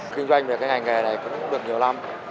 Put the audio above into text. kinh doanh về cái ngành nghề này cũng được nhiều năm